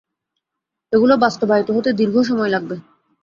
এগুলো বাস্তবায়িত হতে দীর্ঘ সময় লাগবে।